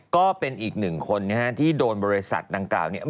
ก็เป็นอีกหนึ่งคนนะฮะที่โดนบริษัทดังกล่าวเนี่ย